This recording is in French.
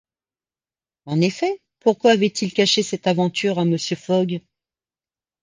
En effet, pourquoi avait il caché cette aventure à Mr. Fogg?